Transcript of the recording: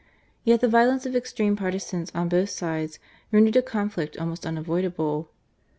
Yet the violence of extreme partisans on both sides rendered a conflict almost unavoidable.